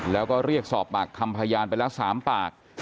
แล้วก็เรียกสอบปากคำพยานไปแล้ว๓ปาก